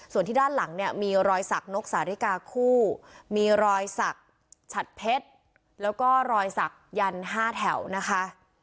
ส่วนที่ด้านหลังเนี่ยมีรอยสักนกสาธิกาคู่มีรอยสักฉัดเพชรแล้วก็รอยสักยัน๕แถวนะคะ